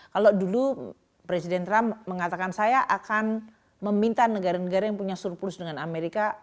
kalau dulu presiden trump mengatakan saya akan meminta negara negara yang punya surplus dengan amerika